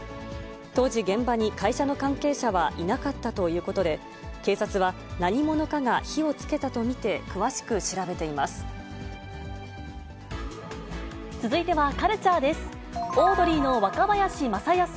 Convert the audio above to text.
当時、現場に会社の関係者はいなかったということで、警察は何者かが火をつけたと見て、詳しく調べています。